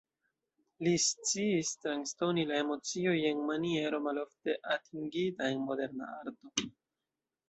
Li sciis transdoni la emocioj en maniero malofte atingita en moderna arto.